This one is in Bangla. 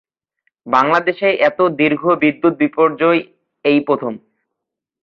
বাংলাদেশে এত দীর্ঘ বিদ্যুৎ বিপর্যয় এই প্রথম।